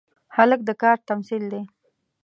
هلک د کار تمثیل دی.